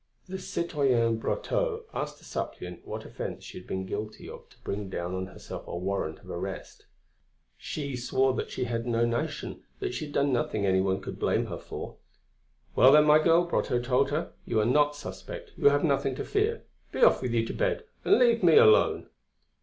The citoyen Brotteaux asked the suppliant what offence she had been guilty of to bring down on herself a warrant of arrest. She swore she had no notion, that she had done nothing anyone could blame her for. "Well then, my girl," Brotteaux told her, "you are not suspect; you have nothing to fear. Be off with you to bed and leave me alone."